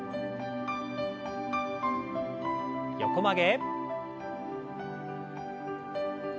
横曲げ。